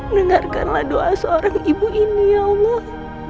dengarkanlah doa seorang ibu ini ya allah